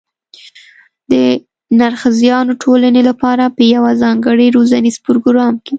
د نرښځیانو ټولنې لپاره په یوه ځانګړي روزنیز پروګرام کې